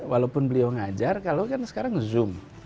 walaupun beliau ngajar kalau kan sekarang zoom